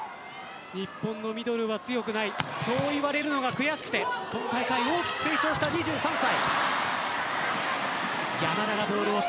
日本のミドルは強くないそう言われるのが悔しくて大きく成長した２３歳。